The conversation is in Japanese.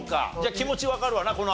じゃあ気持ちわかるわな